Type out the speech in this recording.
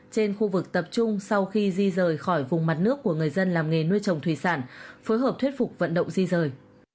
trên khu vực tập trung sau khi di rời khỏi vùng mặt nước của người dân làm nghề nuôi trồng thủy sản phối hợp thuyết phục vận động di rời